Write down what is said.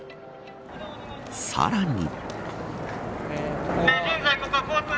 さらに。